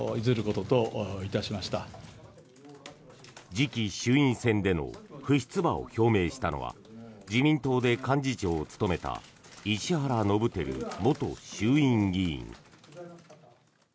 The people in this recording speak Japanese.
次期衆院選での不出馬を表明したのは自民党で幹事長を務めた石原伸晃元衆院議員。